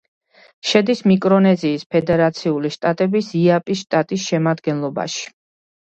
შედის მიკრონეზიის ფედერაციული შტატების იაპის შტატის შემადგენლობაში.